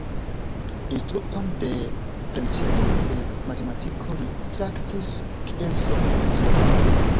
Instruon de principoj de matematiko li traktis kiel sia viva celo.